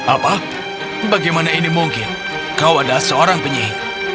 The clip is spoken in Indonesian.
apa bagaimana ini mungkin kau adalah seorang penyihir